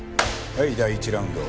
はい第１ラウンド。